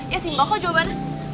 ya simpel kok jawabannya